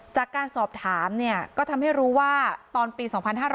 จากการสอบถามก็ทำให้รู้ว่าตอนปี๒๕๕๙